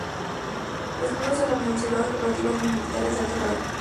Los miembros de la mencionada Cooperativa eran militares de alto rango.